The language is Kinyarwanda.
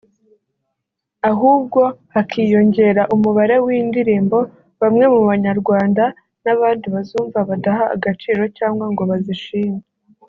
ahubwo hakiyongera umubare w’indirimbo bamwe mu banyarwanda n’abandi bazumva badaha agaciro cyangwa ngo bazishime